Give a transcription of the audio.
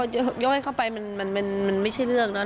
ย่อยเข้าไปมันไม่ใช่เรื่องเนอะ